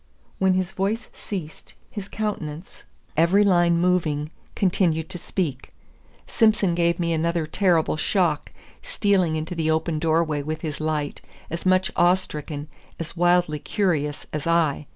When his voice ceased, his countenance, every line moving, continued to speak. Simson gave me another terrible shock, stealing into the open door way with his light, as much awe stricken, as wildly curious, as I.